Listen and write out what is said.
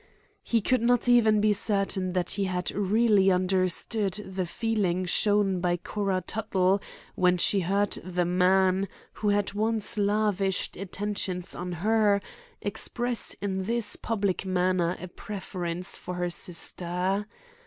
He could not even be certain that he had really understood the feeling shown by Cora Tuttle when she heard the man, who had once lavished attentions on her, express in this public manner a preference for her sister.